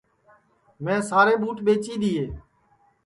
میں سارے ٻُوٹ ٻیچی دؔیئے